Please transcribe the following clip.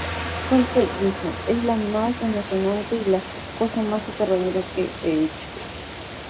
Colfer dijo "Es la más emocionante y la cosa más aterradora que he hecho.